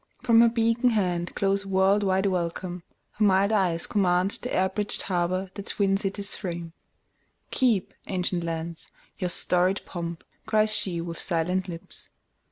From her beacon handGlows world wide welcome; her mild eyes commandThe air bridged harbour that twin cities frame."Keep, ancient lands, your storied pomp!" cries sheWith silent lips.